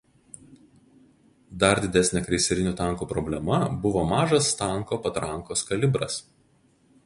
Dar didesnė kreiserinių tankų problema buvo mažas tanko patrankos kalibras.